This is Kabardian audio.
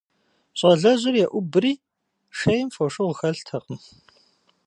Щӏалэжьыр еӏубри, - шейм фошыгъу хэлътэкъым.